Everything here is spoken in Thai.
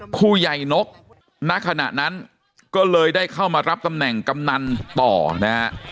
ผู้ใหญ่นกณขณะนั้นก็เลยได้เข้ามารับตำแหน่งกำนันต่อนะฮะ